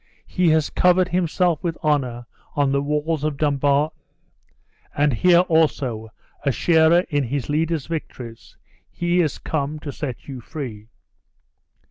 He has covered himself with honor on the walls of Dumbarton; and here also a sharer in his leader's victories, he is come to set you free."